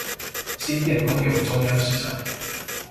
新店公有中央市場